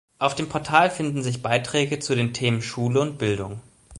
Auf dem Portal finden sich Beiträge zu den Themen Schule und Bildung.